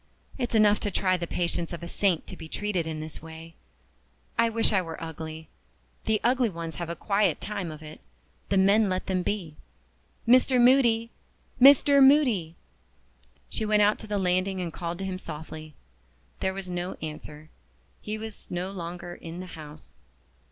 It's enough to try the patience of a saint to be treated in this way. I wish I was ugly! The ugly ones have a quiet time of it the men let them be. Mr. Moody! Mr. Moody!" She went out to the landing and called to him softly. There was no answer. He was no longer in the house.